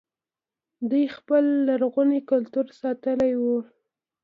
دوی خپل لرغونی کلتور ساتلی و